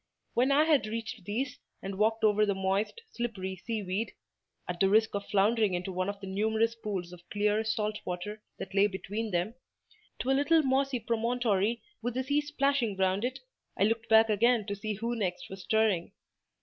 When I had reached these, and walked over the moist, slippery sea weed (at the risk of floundering into one of the numerous pools of clear, salt water that lay between them), to a little mossy promontory with the sea splashing round it, I looked back again to see who next was stirring.